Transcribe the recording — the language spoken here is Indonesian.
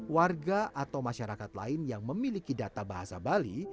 warga atau masyarakat lain yang memiliki data bahasa bali